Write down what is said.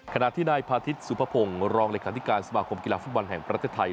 ขณะที่นายพาทิศสุภพงศ์รองเลขาธิการสมาคมกีฬาฟุตบอลแห่งประเทศไทย